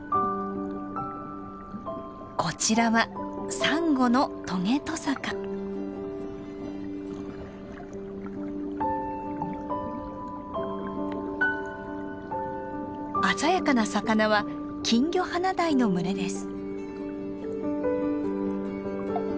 こちらはサンゴの鮮やかな魚はキンギョハナダイの群れです。